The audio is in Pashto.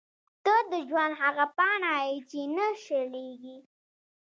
• ته د ژوند هغه پاڼه یې چې نه شلېږي.